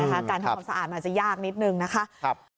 การทำความสะอาดมันอาจจะยากนิดนึงนะคะ